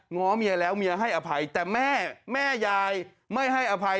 ้อเมียแล้วเมียให้อภัยแต่แม่แม่ยายไม่ให้อภัย